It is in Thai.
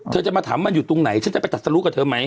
เธอจะมาถามมันอยู่ตรงไหนฉันจะไปตัดสลุกับเธอไหม